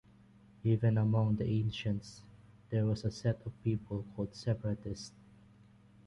Even among the ancients there was a set of people called separatists.